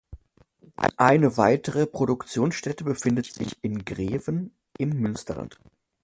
Eine weitere Produktionsstätte befindet sich in Greven im Münsterland.